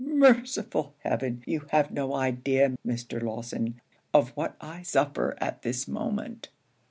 Merciful heaven! you have no idea, Mr. Lawson, of what I suffer at this moment!'